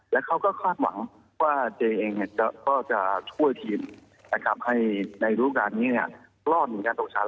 และเขาก็คาดหวังว่าเจเองก็จะช่วยทีมให้ในรูปการณ์นี้รอดเหมือนกันตกชั้น